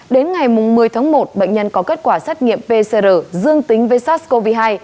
đến ngày một mươi tháng một bệnh nhân có kết quả xét nghiệm pcr dương tính với sars cov hai